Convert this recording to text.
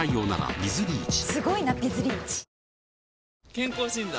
健康診断？